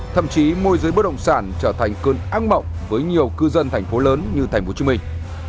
thậm chí môi giới bất động sản trở thành cơn ác mộng với nhiều cư dân thành phố lớn như thành phố hồ chí minh